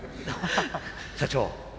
社長